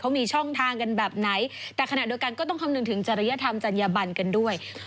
มีช่องทางกันแบบไหนแต่ขณะเดียวกันก็ต้องคำนึงถึงจริยธรรมจัญญบันกันด้วย